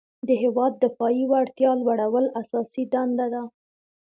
د هیواد دفاعي وړتیا لوړول اساسي دنده ده.